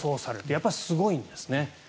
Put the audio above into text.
やっぱりすごいんですね。